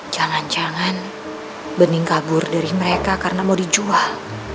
jangan jangan bening kabur dari mereka karena mau dijual